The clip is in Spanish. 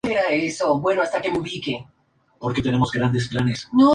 Se alimentan de peces, lombrices, insectos voladores, larvas de insectos y crustáceos.